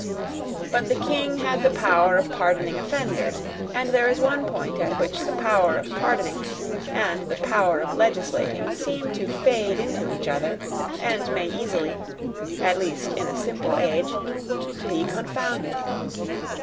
But the King had the power of pardoning offenders; and there is one point at which the power of pardoning and the power of legislating seem to fade into each other, and may easily, at least in a simple age, be confounded.